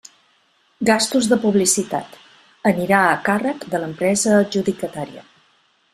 Gastos de publicitat: anirà a càrrec de l'empresa adjudicatària.